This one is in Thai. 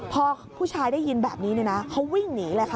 พอผู้ชายได้ยินแบบนี้เขาวิ่งหนีเลยค่ะ